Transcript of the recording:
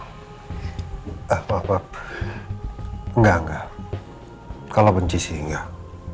maaf maaf enggak enggak kalau benci sih enggak